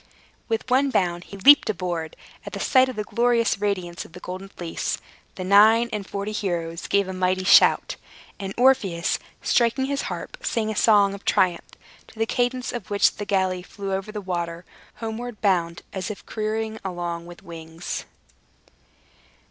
With one bound, he leaped aboard. At sight of the glorious radiance of the Golden Fleece, the nine and forty heroes gave a mighty shout, and Orpheus, striking his harp, sang a song of triumph, to the cadence of which the galley flew over the water, homeward bound, as if careering along with wings!